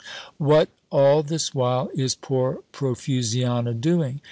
"What, all this while, is poor Profusiana doing?